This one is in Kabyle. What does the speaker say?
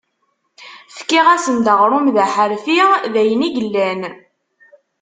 Fkiɣ-asen-d aɣrum d aḥerfi, d ayen i yellan.